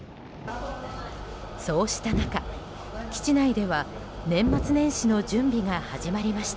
そうした中、基地内では年末年始の準備が始まりました。